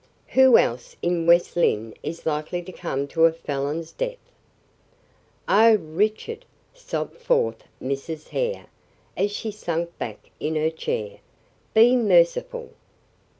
Who else in West Lynne is likely to come to a felon's death?" "Oh, Richard!" sobbed forth Mrs. Hare, as she sank back in her chair, "be merciful.